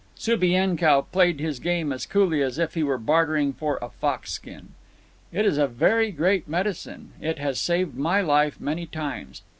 Subienkow played his game as coolly as if he were bartering for a foxskin. "It is a very great medicine. It has saved my life many times.